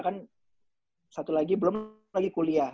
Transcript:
kan satu lagi belum lagi kuliah